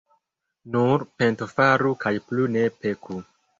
Nur pentofaru kaj plu ne peku.